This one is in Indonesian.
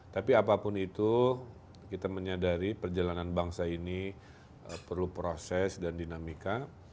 tapi apapun itu kita menyadari perjalanan bangsa ini perlu proses dan dinamika